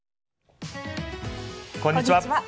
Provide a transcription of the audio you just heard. こんにちは。